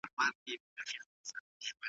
ګرم باد د ګلانو نازکې پاڼې وچې کړې وې.